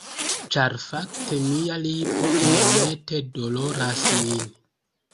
Ĉar fakte mia lipo iomete doloras min.